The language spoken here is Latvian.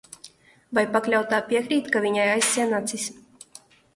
Vai pakļautā piekrīt, ka viņai aizsien acis?